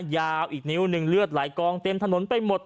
ยาวอีกนิ้วหนึ่งเลือดไหลกองเต็มถนนไปหมด